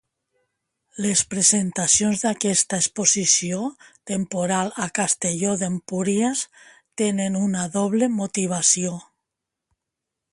Les presentacions d'aquesta exposició temporal a Castelló d'Empúries tenen una doble motivació.